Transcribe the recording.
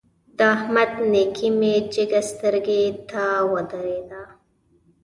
د احمد نېکي مې جګه سترګو ته ودرېده.